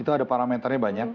itu ada parameternya banyak